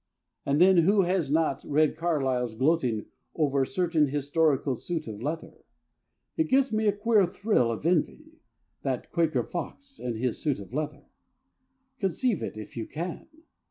And then who has not read Carlyle's gloating over a certain historical suit of leather? It gives me a queer thrill of envy, that Quaker Fox and his suit of leather. Conceive it, if you can!